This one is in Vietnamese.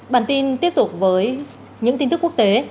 bản tin tiếp tục với những tin tức quốc tế